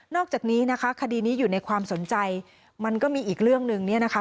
อกจากนี้นะคะคดีนี้อยู่ในความสนใจมันก็มีอีกเรื่องหนึ่งเนี่ยนะคะ